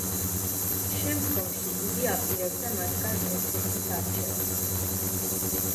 შემდგომში იგი აპირებდა მათგან ერთ-ერთის არჩევას.